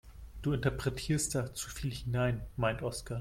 Du interpretierst da zu viel hinein, meint Oskar.